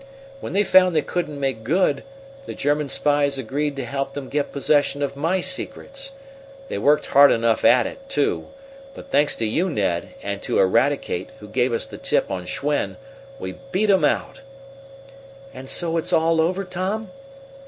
"When they found they couldn't make good, the German spies agreed to help them get possession of my secrets. They worked hard enough at it, too, but, thanks to you, Ned, and to Eradicate, who gave us the tip on Schwen, we beat 'em out." "And so it's all over, Tom?"